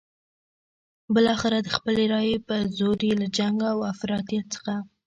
بالاخره د خپلې رايې په زور یې له جنګ او افراطیت څخه.